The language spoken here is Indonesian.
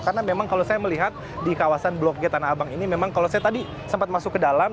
karena memang kalau saya melihat di kawasan blok g tanah abang ini memang kalau saya tadi sempat masuk ke dalam